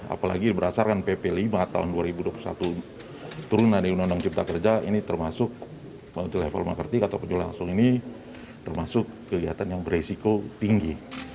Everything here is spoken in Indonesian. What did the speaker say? apalagi berasarkan pp lima tahun dua ribu dua puluh satu turun dari undang undang cipta kerja ini termasuk kelihatan yang beresiko tinggi